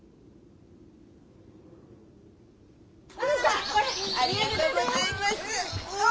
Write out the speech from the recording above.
ありがとうございます！